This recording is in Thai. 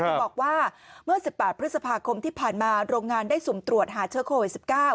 บอกว่าเมื่อ๑๘พฤษภาคมที่ผ่านมาโรงงานได้สุ่มตรวจหาเชื้อโควิด๑๙